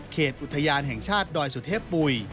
อุทยานแห่งชาติดอยสุเทพปุ๋ย